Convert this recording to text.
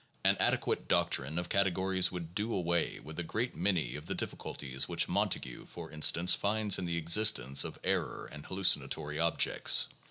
An adequate doc trine of categories would do away with a great many of the difficul ties which Montague, for instance, finds in the existence of error and hallucinatory objects.